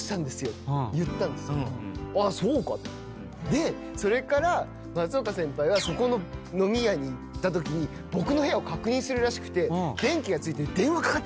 でそれから松岡先輩はそこの飲み屋に行ったときに僕の部屋を確認するらしくて。